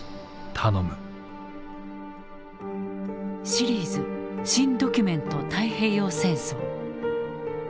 シリーズ「新・ドキュメント太平洋戦争」。